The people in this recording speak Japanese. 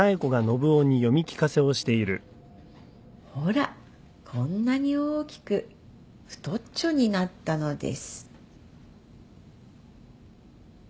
「ほらこんなにおおきくふとっちょになったのです」